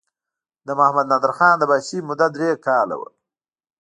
د محمد نادر خان د پاچاهۍ موده درې کاله وه.